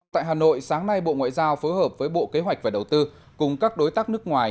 tại hà nội sáng nay bộ ngoại giao phối hợp với bộ kế hoạch và đầu tư cùng các đối tác nước ngoài